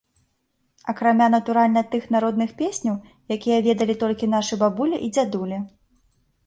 Акрамя, натуральна, тых народных песняў, якія ведалі толькі нашы бабулі і дзядулі.